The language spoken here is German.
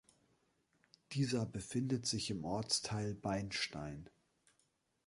Dieser befindet sich im Ortsteil Beinstein.